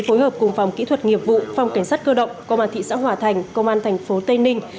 phối hợp cùng phòng kỹ thuật nghiệp vụ phòng cảnh sát cơ động công an thị xã hòa thành công an thành phố tây ninh